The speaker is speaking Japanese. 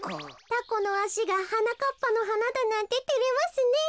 タコノアシがはなかっぱのはなだなんててれますねえ。